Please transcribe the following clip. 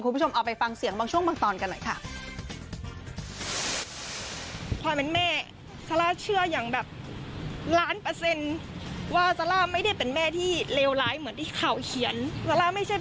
คุณผู้ชมเอาไปฟังเสียงบางช่วงบางตอนกันหน่อยค่ะ